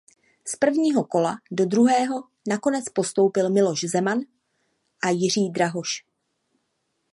Z prvního kola do druhého nakonec postoupili Miloš Zeman a Jiří Drahoš.